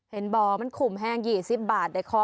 เห็นบอกมันคุมแห้ง๒๐บาท